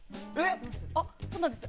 そうなんです。